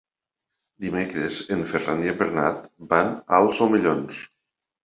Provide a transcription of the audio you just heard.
Dimecres en Ferran i en Bernat van als Omellons.